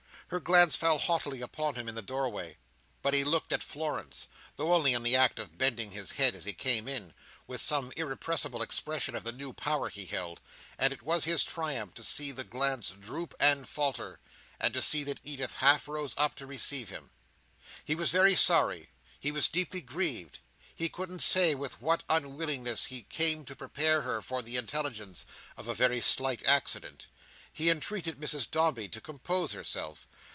Her glance fell haughtily upon him in the doorway; but he looked at Florence—though only in the act of bending his head, as he came in—with some irrepressible expression of the new power he held; and it was his triumph to see the glance droop and falter, and to see that Edith half rose up to receive him. He was very sorry, he was deeply grieved; he couldn't say with what unwillingness he came to prepare her for the intelligence of a very slight accident. He entreated Mrs Dombey to compose herself.